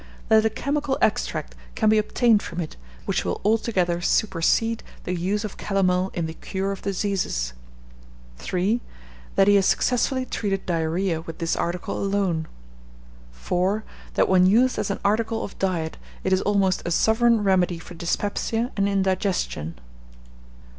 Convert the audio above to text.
That a chemical extract can be obtained from it, which will altogether supersede the use of calomel in the cure of diseases. 3. That he has successfully treated diarrhoea with this article alone. 4. That when used as an article of diet, it is almost a sovereign remedy for dyspepsia and indigestion.